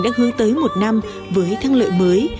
đã hướng tới một năm với thăng lợi mới